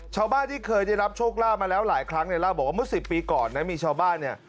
ชาวบ้านที่เคยได้รับโชคลาภมาแล้วหลายครั้งเนี่ยเล่าบอกว่าเมื่อ๑๐ปีก่อนนะมีชาวบ้านเนี่ย